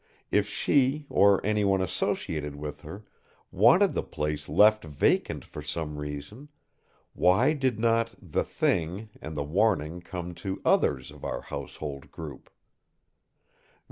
If she, or anyone associated with her wanted the place left vacant for some reason, why did not the Thing and the warning come to others of our household group?